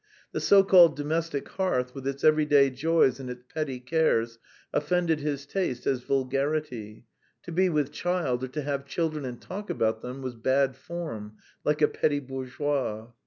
The so called domestic hearth with its everyday joys and its petty cares offended his taste as vulgarity; to be with child, or to have children and talk about them, was bad form, like a petty bourgeois.